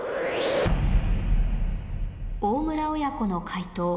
大村親子の解答